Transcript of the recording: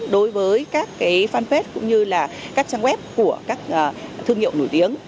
đối với các cái fanpage cũng như là các trang web của các thương hiệu nổi tiếng